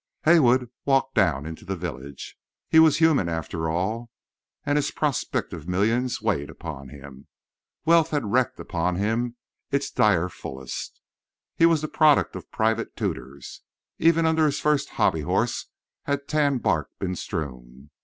Haywood walked down into the village. He was human, after all, and his prospective millions weighed upon him. Wealth had wreaked upon him its direfullest. He was the product of private tutors. Even under his first hobby horse had tan bark been strewn.